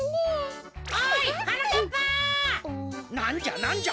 なんじゃなんじゃ？